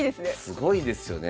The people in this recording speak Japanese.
すごいですよね。